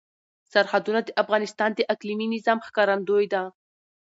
سرحدونه د افغانستان د اقلیمي نظام ښکارندوی ده.